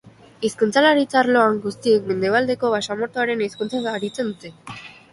Hizkuntzalaritza arloan, guztiek mendebaldeko basamortuaren hizkuntzaz aritzen dute.